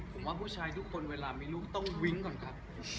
ผมว่าผู้ชายทุกคนเวลามีลูกต้องวิ้งก่อนครับ